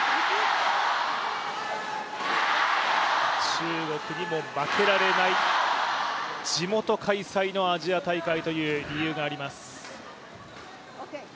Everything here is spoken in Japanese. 中国にも負けられない、地元開催のアジア大会という理由があります。